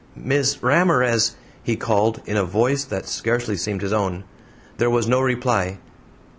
"Miss Ramirez," he called, in a voice that scarcely seemed his own. There was no reply.